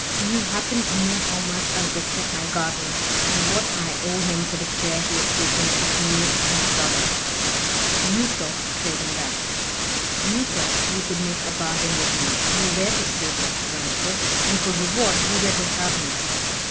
You happen to know how much I respect my guardian and what I owe him for the care he has taken of me and my brother. You thought to trade on that! You thought you could make a bargain with me; you were to save Dr. Ransford, and for reward you were to have me!